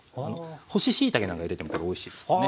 干ししいたけなんか入れてもこれおいしいですからね。